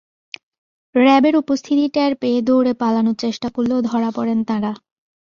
র্যাবের উপস্থিতি টের পেয়ে দৌড়ে পালানোর চেষ্টা করলেও ধরা পড়েন তাঁরা।